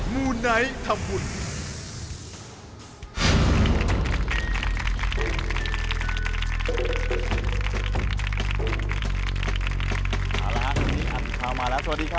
มาแล้วฮะอันนี้อันนี้ครับขอบคุณครับสวัสดีครับสวัสดีครับ